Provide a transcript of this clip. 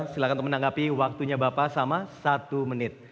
silahkan untuk menanggapi waktunya bapak sama satu menit